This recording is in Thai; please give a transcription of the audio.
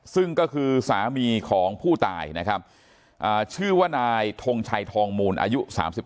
ซึ่งก็คือสามีของผู้ตายนะครับชื่อว่านายทงชัยทองมูลอายุ๓๓